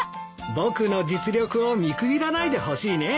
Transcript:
僕の実力を見くびらないでほしいね。